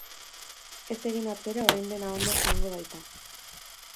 Ez egin atzera orain dena ondo joango baita.